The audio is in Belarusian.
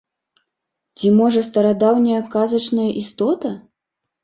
Ці, можа, старадаўняя казачная істота?